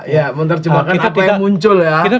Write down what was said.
ya menerjemahkan apa yang muncul ya